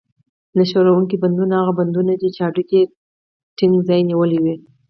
نه ښورېدونکي بندونه هغه بندونه دي چې هډوکي یې ټینګ ځای نیولی وي.